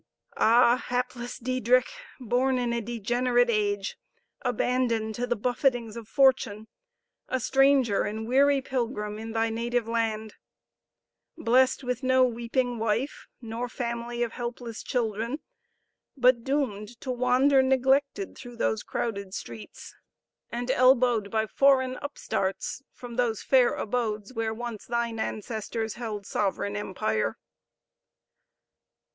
Ah, hapless Diedrich! born in a degenerate age, abandoned to the buffetings of fortune a stranger and weary pilgrim in thy native land blest with no weeping wife, nor family of helpless children; but doomed to wander neglected through those crowded streets, and elbowed by foreign upstarts from those fair abodes where once thine ancestors held sovereign empire!